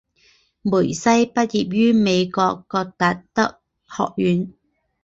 梅西毕业于美国戈达德学院。